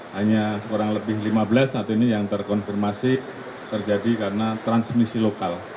hanya sekurang lebih lima belas saat ini yang terkonfirmasi terjadi karena transmisi lokal